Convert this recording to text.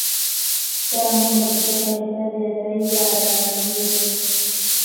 Saa moja kutoka hifadhi ya Taifa ya Tarangire